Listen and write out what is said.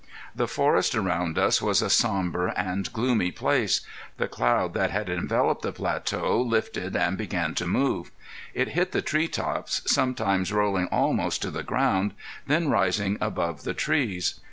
The forest around us was a somber and gloomy place. The cloud that had enveloped the plateau lifted and began to move. It hit the tree tops, sometimes rolling almost to the ground, then rising above the trees.